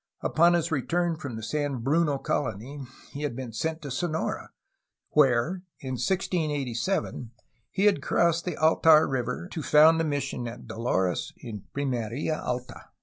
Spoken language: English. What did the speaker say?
Upon his return from the San Bruno colony he had been sent to Sonora, where in 1687 he had crossed the Altar River to found a mission at Dolores in Pimeria Alta.